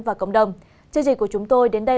và cộng đồng chương trình của chúng tôi đến đây